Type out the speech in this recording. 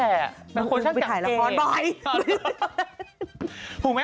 เป็นคนช่างเก่งไปถ่ายละครบ่อยหรือเปล่าหรือเปล่าคุณแม่